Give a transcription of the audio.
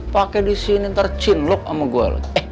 pake disini tercinlok sama gue